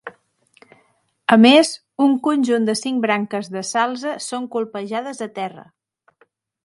A més, un conjunt de cinc branques de salze són colpejades a terra.